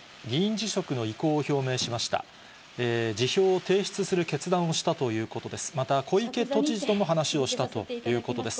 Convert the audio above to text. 辞表を提出する決断をしたということです。